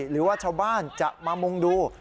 หรือว่าชาวบ้านจะมามุ่งดู